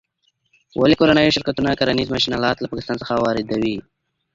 ولې کورني شرکتونه کرنیز ماشین الات له پاکستان څخه واردوي؟